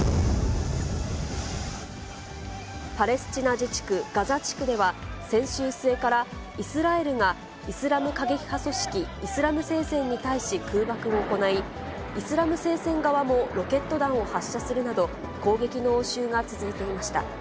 パレスチナ自治区ガザ地区では、先週末から、イスラエルがイスラム過激派組織イスラム聖戦に対し空爆を行い、イスラム聖戦側もロケット弾を発射するなど、攻撃の応酬が続いていました。